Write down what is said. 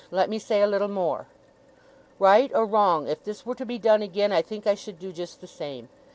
Let me say a little more! Right or wrong, if this were to be done again, I think I should do just the same.